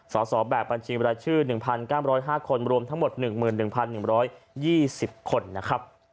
สอบแบบบัญชีบรายชื่อ๑๙๐๕คนรวมทั้งหมด๑๑๑๒๐คนนะครับ